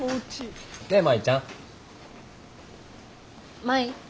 舞？